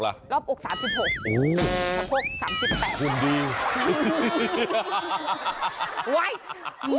รอบอวค๓๖